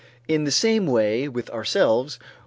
In the same way with ourselves.